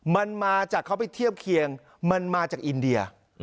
มันมาจากเขาไปเทียบเคียงมันมาจากอินเดีย